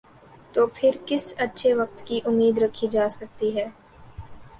، تو پھر کس اچھے وقت کی امید رکھی جا سکتی ہے ۔